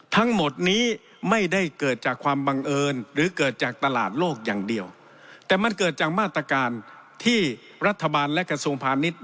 ทั้งหมดนี้ไม่ได้เกิดจากความบังเอิญหรือเกิดจากตลาดโลกอย่างเดียวแต่มันเกิดจากมาตรการที่รัฐบาลและกระทรวงพาณิชย